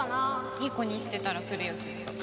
いい子にしてたら来るよきっと。